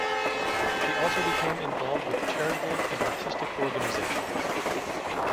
She also became involved with charitable and artistic organisations.